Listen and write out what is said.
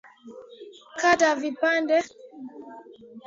Kata vipande vidogo vidogo